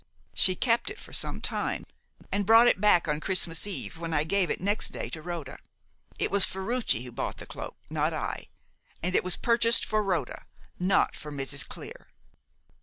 She kept it for some time, and brought it back on Christmas Eve, when I gave it next day to Rhoda. It was Ferruci who bought the cloak, not I; and it was purchased for Rhoda, not for Mrs. Clear.